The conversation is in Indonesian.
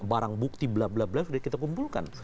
barang bukti blablabla sudah kita kumpulkan